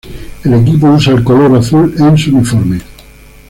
El equipo usa el color azul en su uniforme.